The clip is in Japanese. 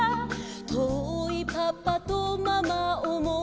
「とおいパパとママおもいだして」